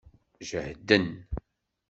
Jehden.